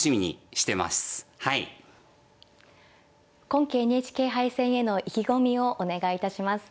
今期ＮＨＫ杯戦への意気込みをお願いいたします。